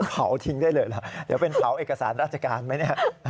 เผาทิ้งได้เลยเหรอเดี๋ยวเป็นเผาเอกสารราชการไหมเนี่ย